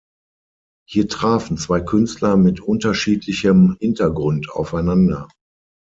Hier trafen zwei Künstler mit unterschiedlichem Hintergrund aufeinander.